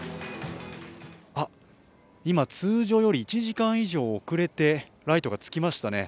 あ、今通常より１時間以上遅れてライトがつきまたね。